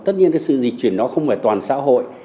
tất nhiên cái sự dịch chuyển đó không phải toàn xã hội